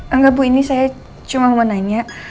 enggak bu ini saya cuma mau nanya